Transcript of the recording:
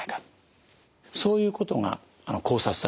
そういうことが考察されていますね。